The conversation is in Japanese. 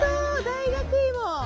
大学芋！